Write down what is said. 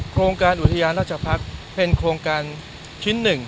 โครงการอุทยานราชภักษ์เป็นโครงการชิ้นหนึ่ง